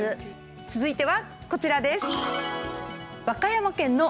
続いてはこちらです。